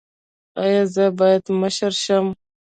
ایا زه باید مشر شم؟